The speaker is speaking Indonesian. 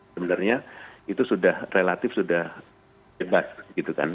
sebenarnya itu sudah relatif sudah bebas gitu kan